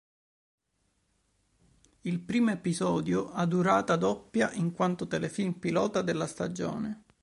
Il primo episodio ha durata doppia in quanto telefilm pilota della stagione.